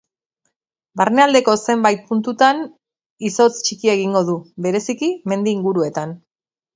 Barnealdeko zenbait puntutan izotz txikia egingo du, bereziki mendi inguruetan.